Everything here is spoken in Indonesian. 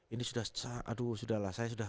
ini sudah aduh sudah lah saya sudah